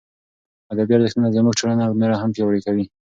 ادبي ارزښتونه زموږ ټولنه نوره هم پیاوړې کوي.